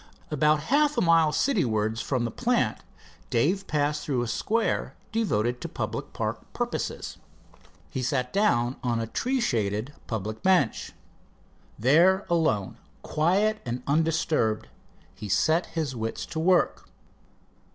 About half a mile city wards from the plant Dave passed through a square devoted to public park purposes. He sat down on a tree shaded rustic bench. There, alone, quiet and undisturbed, he set his wits at work.